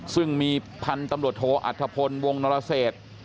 ซึ่งมีพันธุ์ตำรวจโทอัฐพลวงนรเศษ